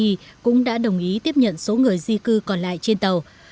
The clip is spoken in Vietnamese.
ireland và albania đã đồng ý tiếp nhận số người di cư còn lại trên tàu